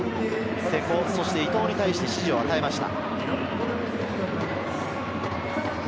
瀬古、伊藤に対して指示を与えました。